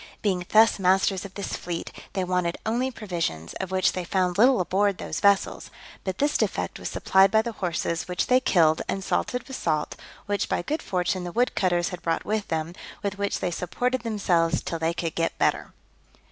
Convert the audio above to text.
Being thus masters of this fleet, they wanted only provisions, of which they found little aboard those vessels: but this defect was supplied by the horses, which they killed, and salted with salt, which by good fortune the wood cutters had brought with them, with which they supported themselves till they could get better.